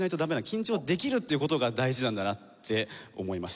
緊張できるっていう事が大事なんだなって思いました。